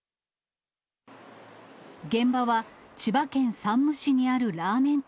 現場は千葉県山武市にあるラーメン店。